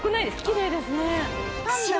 きれいですね。